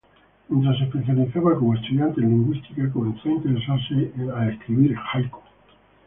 Mientras se especializaba como estudiante en lingüísticas, comenzó a interesarse en escribir haiku.